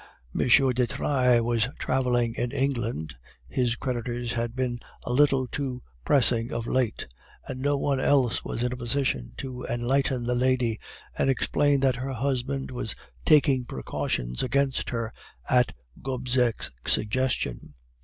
M. de Trailles was traveling in England (his creditors had been a little too pressing of late), and no one else was in a position to enlighten the lady, and explain that her husband was taking precautions against her at Gobseck's suggestion.